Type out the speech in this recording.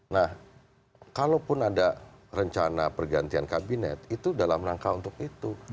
nah kalaupun ada rencana pergantian kabinet itu dalam rangka untuk itu